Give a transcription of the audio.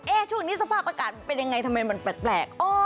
ช่วงนี้สภาพอากาศเป็นยังไงทำไมมันแปลก